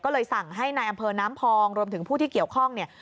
ก็เลยสั่งให้นายอำเภอน้ำพองรวมถึงผู้ที่เกี่ยวข้องเนี่ย